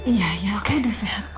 iya iya aku udah sehat kok